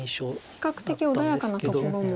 比較的穏やかなところも。